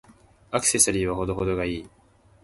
アクセサリーは程々が良い。